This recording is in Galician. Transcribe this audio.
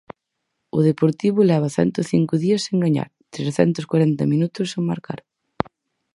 O Deportivo leva cento cinco días sen gañar, trescentos corenta minutos sen marcar.